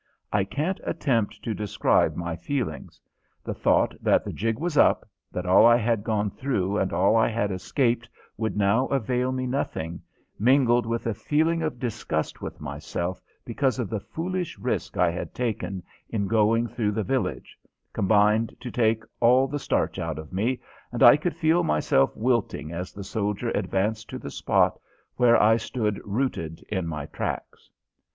I can't attempt to describe my feelings. The thought that the jig was up, that all I had gone through and all I had escaped would now avail me nothing, mingled with a feeling of disgust with myself because of the foolish risk I had taken in going through the village, combined to take all the starch out of me, and I could feel myself wilting as the soldier advanced to the spot where I stood rooted in my tracks.